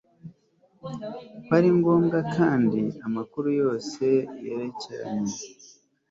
ko ari ngombwa kandi amakuru yose yerekeranye